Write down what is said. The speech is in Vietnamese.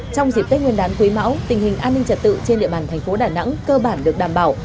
trong dịp tết nguyên đán quý mão tình hình an ninh trật tự trên địa bàn thành phố đà nẵng cơ bản được đảm bảo